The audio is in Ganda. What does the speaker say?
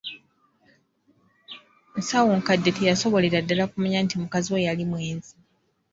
Nsawonkadde teyasobolera ddala kumanya nti mukazi we yali mwenzi.